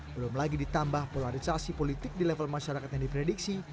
belum lagi ditambah polarisasi politik di level masyarakat yang diprediksi